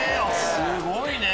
すごいね！